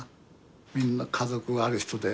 みんな家族ある人で。